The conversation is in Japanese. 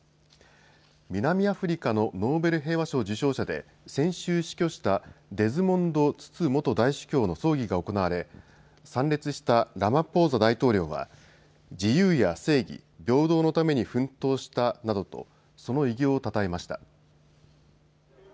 南アフリカのノーベル平和賞受賞者で先週死去したデズモンド・ツツ元大主教の葬儀が行われ参列したラマポーザ大統領は自由や正義、平等のために奮闘したなどとその偉業をたたえました。